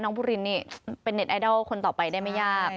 บุรินนี่เป็นเน็ตไอดอลคนต่อไปได้ไม่ยาก